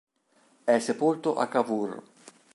È sepolto a Cavour.